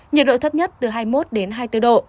nhiệt độ thấp nhất từ hai mươi một đến hai mươi bốn độ